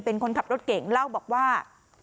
เป็นคนขับรถเก่งเล่าบอกว่า